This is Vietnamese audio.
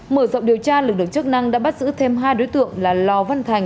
mở rộng điều tra lực lượng chức năng đã bắt giữ thêm hai đối tượng là lò văn thành